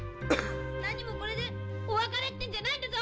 何もこれでお別れってんじゃないんだぞ！